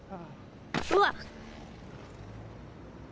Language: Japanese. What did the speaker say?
うわっ！